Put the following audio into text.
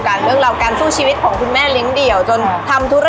มีขอเสนออยากให้แม่หน่อยอ่อนสิทธิ์การเลี้ยงดู